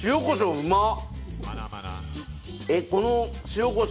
うまっ。